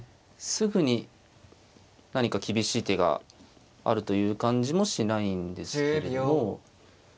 すぐに何か厳しい手があるという感じもしないんですけれども